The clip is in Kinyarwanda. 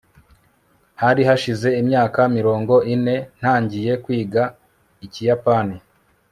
hari hashize imyaka mirongo ine ntangiye kwiga ikiyapani